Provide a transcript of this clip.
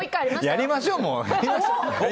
やりましょう。